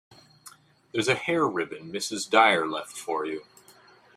There’s a hair ribbon Mrs. Dyer left for you.